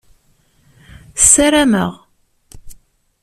Ssarameɣ.